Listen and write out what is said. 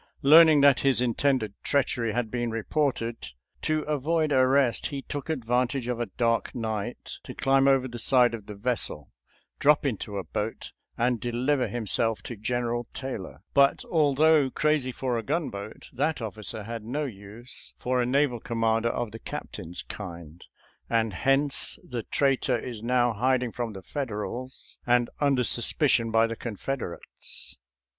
Learning that his intended treachery had been reported, to avoid arrest he took advantage of a dark night to climb over the side of the vessel, drop into a boat, and deliver himself to General Taylor. But although crazy for a gunboat, that officer had no use for a naval commander of the Captain's kind, and hence the traitor is now hiding from the Federals, and under suspicion by the Confederates.